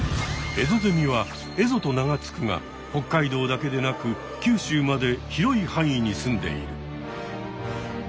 エゾゼミはエゾと名が付くが北海道だけでなく九州まで広い範囲にすんでいる。